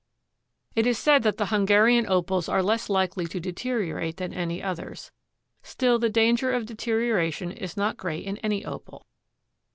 It is said that the Hungarian Opals are less likely to deteriorate than any others. Still the danger of deterioration is not great in any Opal.